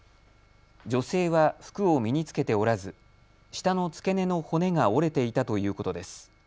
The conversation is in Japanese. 女性は服を身に着けておらず舌の付け根の骨が折れていたということです。